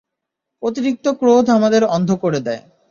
অতিরিক্ত ক্রোধ আমাদের অন্ধ করে দেয়।